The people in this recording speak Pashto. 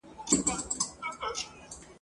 څخه وړاندي پړاو په پام کي ولرو